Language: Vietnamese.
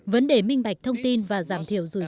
vấn đề minh bạch thông tin và giảm thiểu của nga